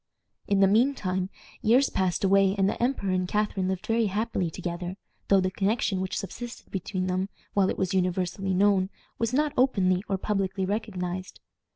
In the mean time, years passed away, and the emperor and Catharine lived very happily together, though the connection which subsisted between them, while it was universally known, was not openly or publicly recognized.